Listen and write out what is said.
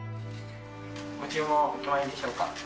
ご注文はお決まりでしょうか？